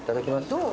どう？